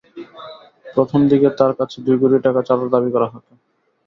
প্রথম দিকে তাঁর কাছে দুই কোটি টাকা চাঁদা দাবি করা হতো।